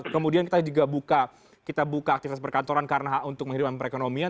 kemudian kita juga buka kita buka aktivitas perkantoran karena hak untuk menghidupkan perekonomian